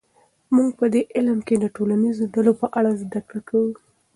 موږ په دې علم کې د ټولنیزو ډلو په اړه زده کړه کوو.